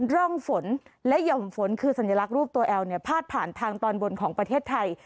ร่องฝนและหย่อมฝนคือสัญลักษณ์รูปตัวแอลเนี่ยพาดผ่านทางตอนบนของประเทศไทย